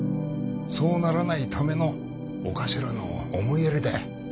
そうならないためのお頭の思いやりだ。